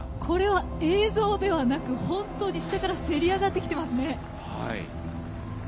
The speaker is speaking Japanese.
これは映像ではなく本当に下からせり上がってきてますね。